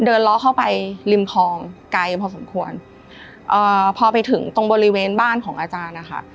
ล้อเข้าไปริมคลองไกลพอสมควรเอ่อพอไปถึงตรงบริเวณบ้านของอาจารย์นะคะ